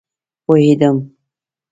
پوهيدم